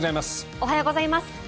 おはようございます。